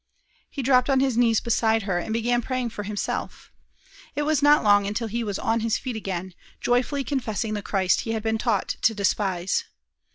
He dropped on his knees beside her, and began praying for himself. It was not long until he was on his feet again, joyfully confessing the Christ he had been taught to despise.